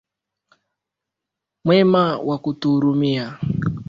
Mwema Wakutuhurumia